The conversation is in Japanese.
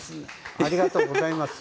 ありがとうございます。